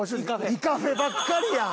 イカフェばっかりやん！